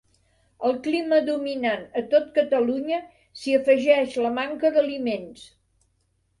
Al clima dominant a tot Catalunya s'hi afegeix la manca d'aliments.